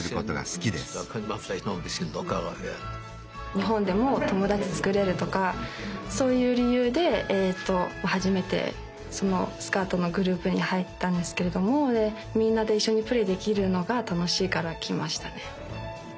日本でも友達つくれるとかそういう理由で初めてそのスカートのグループに入ったんですけれどもみんなで一緒にプレイできるのが楽しいから来ましたね。